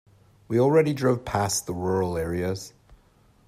We already drove past the rural areas.